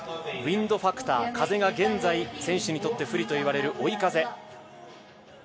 ウインドファクター、風が現在、選手にとって不利といわれる追い風。